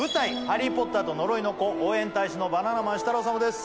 「ハリー・ポッターと呪いの子」応援大使のバナナマン設楽統です